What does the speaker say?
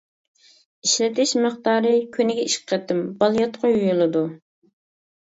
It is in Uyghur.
ئىشلىتىش مىقدارى: كۈنىگە ئىككى قېتىم بالىياتقۇ يۇيۇلىدۇ.